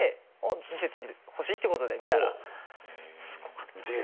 見てほしいっていうことで見たらすごかったですね。